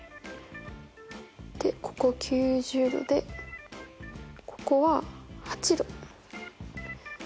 でここ９０°でここは８°。